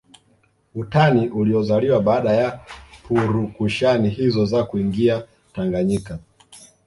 Utani uliozaliwa baada ya purukushani hizo za kuingia Tanganyika